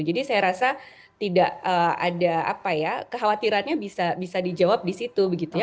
jadi saya rasa tidak ada apa ya kekhawatirannya bisa dijawab di situ begitu ya